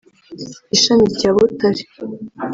ishami rya Butare